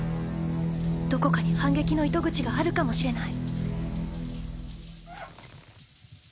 どこかに反撃の糸口があるかもしれない